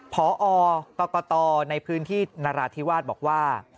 พอกรกตในพื้นที่นราธิวาสบอกว่า